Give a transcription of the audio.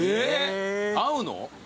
合うの？